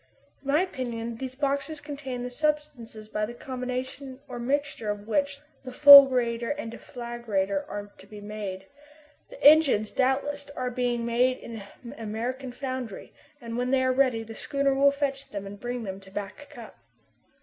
In my opinion, these boxes contain the substances by the combination or mixture of which, the fulgurator and deflagrator are to be made. The engines, doubtless, are being made in an American foundry, and when they are ready, the schooner will fetch them and bring them to Back Cup.